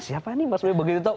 siapa nih mas be begitu tau